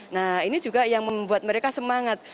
nah ini juga yang membuat mereka semangat